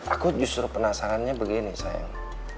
aku justru penasarannya begini sayang